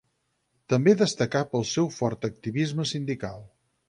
També destacà pel seu fort activisme sindical.